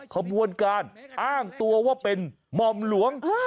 ขบวนการอ้างตัวว่าเป็นหม่อมหลวง